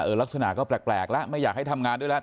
ลักษณะก็แปลกแล้วไม่อยากให้ทำงานด้วยแล้ว